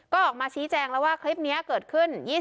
ก็ออกมาชี้แจงแล้วว่าคลิปนี้เกิดขึ้น